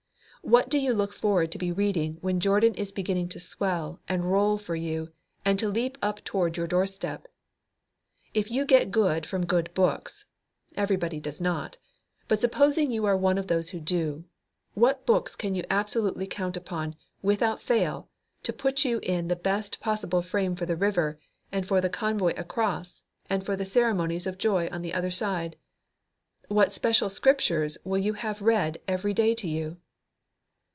What do you look forward to be reading when Jordan is beginning to swell and roll for you and to leap up toward your doorstep? If you get good from good books everybody does not but supposing you are one of those who do, what books can you absolutely count upon, without fail, to put you in the best possible frame for the river, and for the convoy across, and for the ceremonies of joy on the other side? What special Scriptures will you have read every day to you?